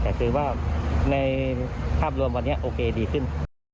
แต่คือว่าในภาพรวมวันนี้โอเคดีขึ้น